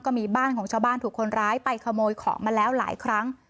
บ้านของชาวบ้านถูกคนร้ายไปขโมยของมาแล้วหลายครั้ง